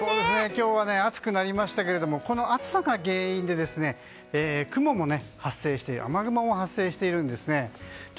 今日は暑くなりましたけれどもこの暑さが原因で雨雲も発生しているんですね。